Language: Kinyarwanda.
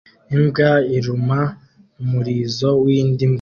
Imbwa iruma umurizo w'indi mbwa